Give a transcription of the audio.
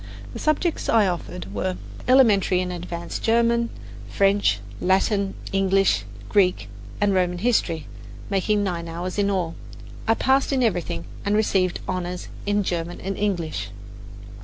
The subjects I offered were Elementary and Advanced German, French, Latin, English, and Greek and Roman history, making nine hours in all. I passed in everything, and received "honours" in German and English.